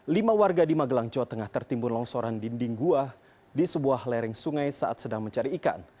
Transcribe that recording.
lima warga di magelang jawa tengah tertimbun longsoran dinding gua di sebuah lereng sungai saat sedang mencari ikan